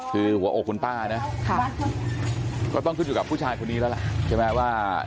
คือหัวอกคุณป้านะก็ต้องขึ้นอยู่กับผู้ชายคนนี้แล้วล่ะใช่ไหมว่า